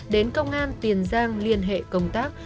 đến công an tiền giang liên hệ công tác